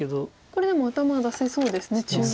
これでも頭出せそうですね中央。